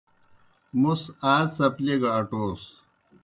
موْس آ څپلیئےگہ اٹوس۔